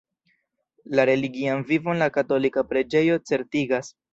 La religian vivon la katolika preĝejo certigas.